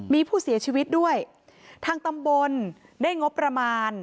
มีผู้เสียชีวิตด้วยทางตำบลได้งบประมาณ